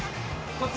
こっち？